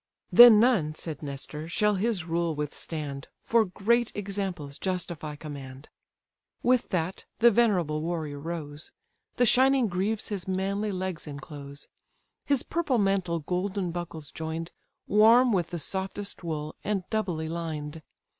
"Then none (said Nestor) shall his rule withstand, For great examples justify command." With that, the venerable warrior rose; The shining greaves his manly legs enclose; His purple mantle golden buckles join'd, Warm with the softest wool, and doubly lined.